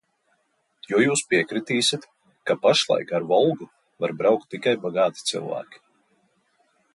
"Jo jūs piekritīsit, ka pašlaik ar "Volgu" var braukt tikai bagāti cilvēki."